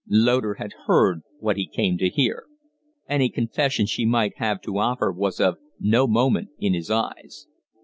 Loder had heard what he came to hear; any confession she might have to offer was of no moment in his eyes.